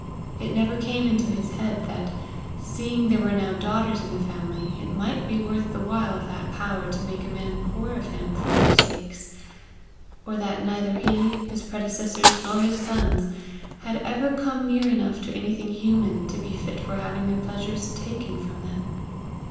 It never came into his head that, seeing there were now daughters in the family, it might be worth the while of that Power to make a poor man of him for their sakes; or that neither he, his predecessors, nor his sons, had ever come near enough to anything human to be fit for having their pleasures taken from them.